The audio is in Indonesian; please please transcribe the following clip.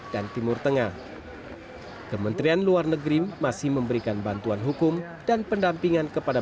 timur tengah kementerian luar negeri masih memberikan bantuan hukum dan pendampingan kepada